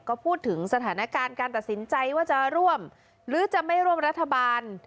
ก็พูดถึงสถานการณ์การตัดสินใจว่าจะร่วมหรือจะไม่ร่วมรัฐบาล